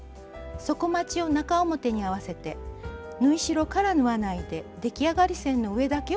底まちを中表に合わせて縫い代から縫わないで出来上がり線の上だけを縫います。